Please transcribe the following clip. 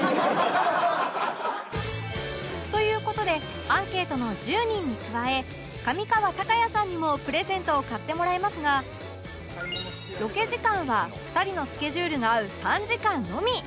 という事でアンケートの１０人に加え上川隆也さんにもプレゼントを買ってもらいますがロケ時間は２人のスケジュールが合う３時間のみ